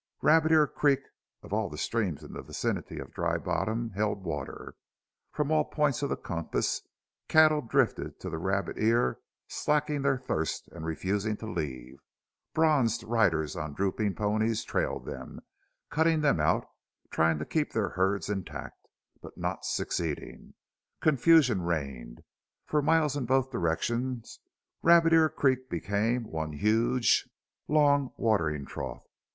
Rabbit Ear Creek of all the streams in the vicinity of Dry Bottom held water. From all points of the compass cattle drifted to the Rabbit Ear, slaking their thirst and refusing to leave. Bronzed riders on drooping ponies trailed them, cutting them out, trying to keep their herds intact, but not succeeding. Confusion reigned. For miles in both directions Rabbit Ear Creek became one huge, long watering trough.